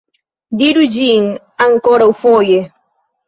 Diru ĝin ankoraŭfoje!